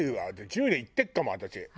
１０年いってるかも私。